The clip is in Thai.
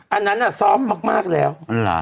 อันนั้นน่ะซ้อมมากเลยนะ